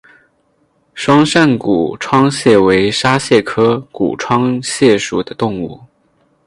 双扇股窗蟹为沙蟹科股窗蟹属的动物。